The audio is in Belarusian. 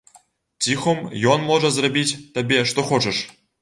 Ціхом ён можа зрабіць табе што хочаш.